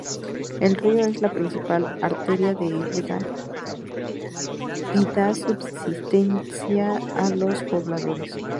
El río es la principal arteria que irriga y da subsistencia a los pobladores.